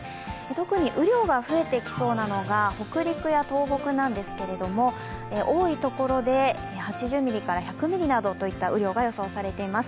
特に雨量が増えてきそうなのが北陸や東北なんですけれども、多いところで、８０ミリから１００ミリなどといった雨量が予想されています。